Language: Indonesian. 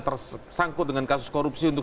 tersangkut dengan kasus korupsi untuk